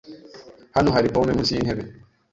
Hano hari pome munsi yintebe.